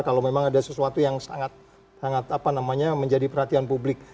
kalau memang ada sesuatu yang sangat menjadi perhatian publik